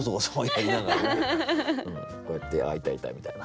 こうやって「あっいたいた」みたいな。